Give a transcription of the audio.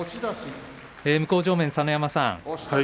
向正面、佐ノ山さん